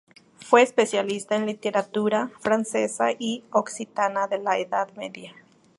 Fue especialista en literatura francesa y occitana de la Edad Media.